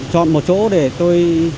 chọn một chỗ để tôi